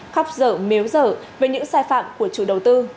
khóc dở méo dở về những sai phạm của chủ đầu tư